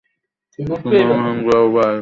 চীনা ও হিন্দুরা উভয়েই উহার ব্যবহার করিতেন।